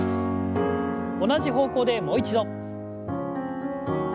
同じ方向でもう一度。